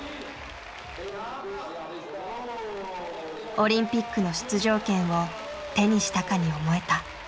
オリンピックの出場権を手にしたかに思えた。